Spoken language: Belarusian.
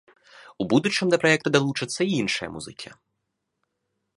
У будучым да праекта далучацца і іншыя музыкі.